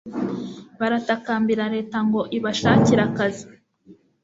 baratakambira leta ngo ibashakire akazi